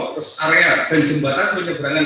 terus area dan jembatan menyeberang